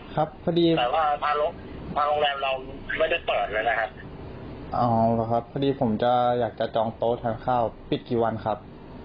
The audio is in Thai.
อ๋อครับพอดีผมจะอยากจะจองโต๊ะทานข้าวปิดกี่วันครับ